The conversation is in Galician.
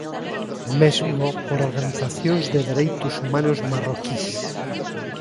Mesmo por organizacións de dereitos humanos marroquís.